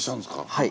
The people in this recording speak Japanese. はい。